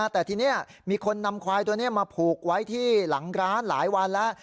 แต่ทีนี้มีคนนำควายตัวนี้มาผูกไว้ที่หลังร้านหลายวันแล้ว